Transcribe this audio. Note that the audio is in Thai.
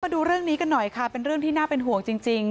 ดูเรื่องนี้กันหน่อยค่ะเป็นเรื่องที่น่าเป็นห่วงจริง